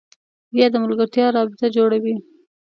یا د ملګرتیا رابطه جوړوي